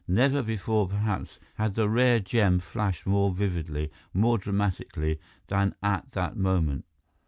Never before, perhaps, had the rare gem flashed more vividly, more dramatically, than at that moment.